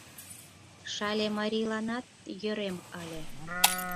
Шале марийланат йӧрем ыле.